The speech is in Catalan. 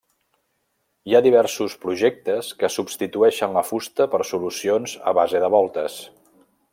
Hi ha diversos projectes que substitueixen la fusta per solucions a base de voltes.